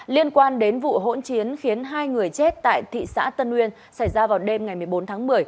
liên quan đến vụ hỗn chiến khiến hai người chết tại thị xã tân nguyên xảy ra vào đêm ngày một mươi bốn tháng một mươi